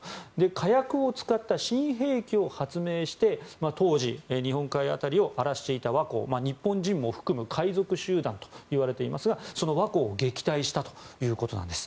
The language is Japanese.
火薬を使った新兵器を発明して当時、日本海辺りを荒らしていた倭寇日本人を含む海賊集団といわれていますがその倭寇を撃退したということなんです。